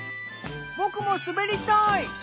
僕も滑りたい！